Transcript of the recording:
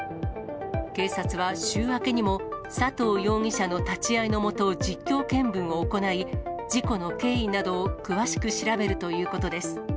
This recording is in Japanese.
警察は週明けにも、佐藤容疑者の立ち会いの下、実況見分を行い、事故の経緯などを詳しく調べるということです。